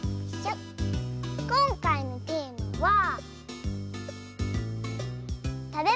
こんかいのテーマはおっ。